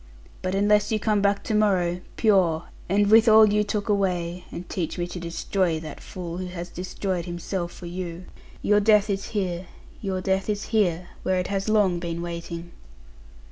But unless you come back to morrow, pure, and with all you took away, and teach me to destroy that fool, who has destroyed himself for you, your death is here, your death is here, where it has long been waiting.'